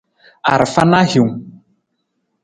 Arafa na hiwung.